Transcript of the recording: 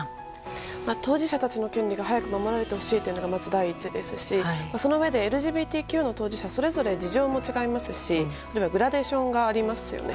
当事者たちの権利が守られてほしいのがまず第一ですしそのうえでＬＧＢＴＱの当事者それぞれ事情も違いますしグラデーションもありますよね。